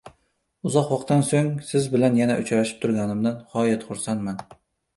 Uzoq vaqtdan so‘ng siz bilan yana uchrashib turganimdan g‘oyat xursandman.